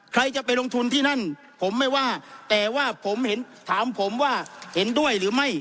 ใครจะไปลงทุนที่นั่นผมไม่ว่าแต่ว่าผมเห็นถามผมว่าเห็นด้วยหรือไม่